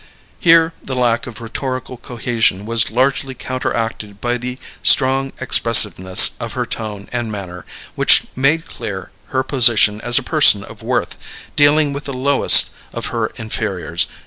Here the lack of rhetorical cohesion was largely counteracted by the strong expressiveness of her tone and manner, which made clear her position as a person of worth, dealing with the lowest of her inferiors.